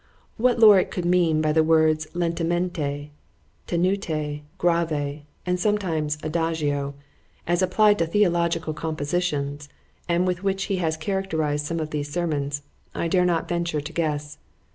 What Yorick could mean by the words lentamente,—tenutè,—grave,—and sometimes adagio,—as applied to theological compositions, and with which he has characterised some of these sermons, I dare not venture to guess.